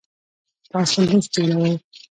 تاسو لیست جوړوئ؟